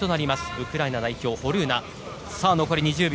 ウクライナ代表、ホルーナ残り２０秒。